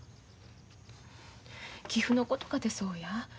寄付のことかてそうや。